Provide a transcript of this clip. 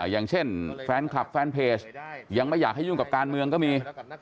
อย่างเช่นแฟนคลับแฟนเพจยังไม่อยากให้ยุ่งกับการเมืองก็มี